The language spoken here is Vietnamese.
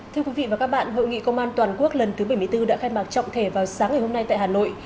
thưa quý vị và các bạn hội nghị công an toàn quốc lần thứ bảy mươi bốn đã khai mạc trọng thể vào sáng ngày hôm nay tại hà nội